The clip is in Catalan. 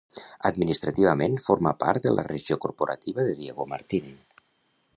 Administrativament, forma part de la regió corporativa de Diego Martín.